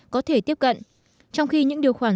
có thể tiếp cận trong khi những điều khoản